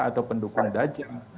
atau pendukung dajal